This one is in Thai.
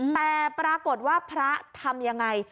แต่ปรากฏว่าพระทำยังไง